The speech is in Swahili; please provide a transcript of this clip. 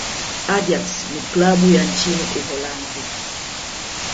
ajax ni klabu ya nchini uholanzi